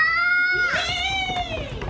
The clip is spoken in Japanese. イエイ！